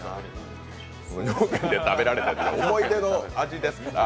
無条件で食べられてって思い出の味ですから。